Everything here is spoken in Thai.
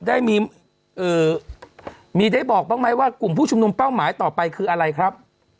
ได้มีได้บอกบ้างไหมว่ากลุ่มผู้ชุมนุมเป้าหมายต่อไปคืออะไรครับ